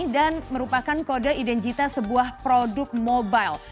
dan merupakan kode identita sebuah produk mobile